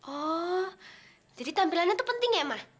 oh jadi tampilannya tuh penting ya ma